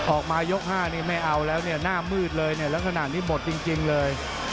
ออกมายก๕นี่ไม่เอาแล้วเนี่ยหน้ามืดเลยเนี่ยลักษณะนี้หมดจริงเลย